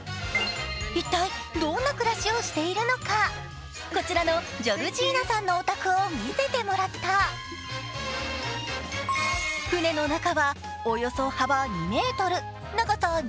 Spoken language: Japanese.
一体、どんな暮らしをしているのかこちらのジョルジーナさんのお宅を見せてもらった船の中はおよそ幅２ｍ、長さ２０ｍ。